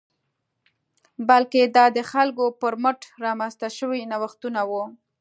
بلکې دا د خلکو پر مټ رامنځته شوي نوښتونه وو